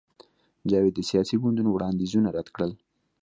جاوید د سیاسي ګوندونو وړاندیزونه رد کړل